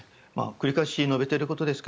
繰り返し述べていることですが